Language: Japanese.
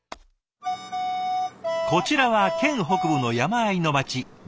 こちらは県北部の山あいの町美郷町。